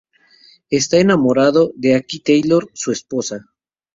Está enamorado de Aki Taylor, su esposa.